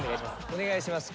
お願いします